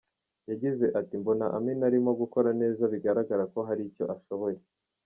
Yagize ati “Mbona Amina arimo gukora neza bigaragara ko hari icyo ashoboye.